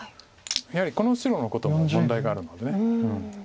やはりこの白のことも問題があるので。